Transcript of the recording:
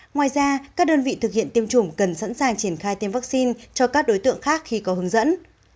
ngoài ra các đơn vị thực hiện tiêm chủng cần sẵn sàng triển khai tiêm vaccine cho các đối tượng khác khi có hướng dẫn